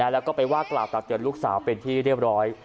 แล้วก็ไปว่ากล่าวตักเตือนลูกสาวเป็นที่เรียบร้อย